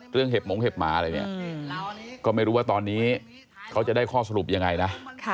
เห็บหงเห็บหมาอะไรเนี่ยก็ไม่รู้ว่าตอนนี้เขาจะได้ข้อสรุปยังไงนะ